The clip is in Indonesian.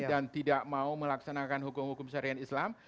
dan tidak mau melaksanakan hukum hukum syariah islam